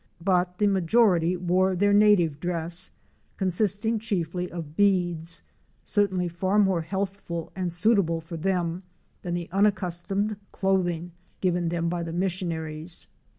But the majority wore their native dress — consisting chiefly of beads; certainly far more healthful and suitable for them than the unaccustomed clothing given them by the missionaries.